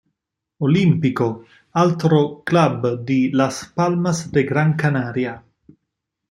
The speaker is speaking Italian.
Olímpico, altro club di Las Palmas de Gran Canaria.